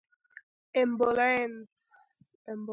🚑 امبولانس